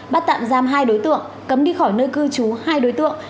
bắt tạm giam hai đối tượng cấm đi khỏi nơi cư trú hai đối tượng